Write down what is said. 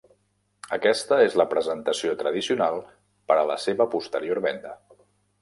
Aquesta és la presentació tradicional per a la seva posterior venda.